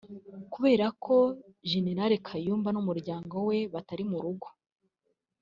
kubera ko General Kayumba n’umuryango we batari mu rugo